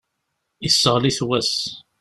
Yesseɣli-t wass.